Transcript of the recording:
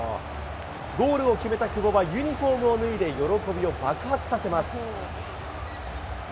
ゴールを決めた久保は、ユニホームを脱いで、喜びを爆発させます。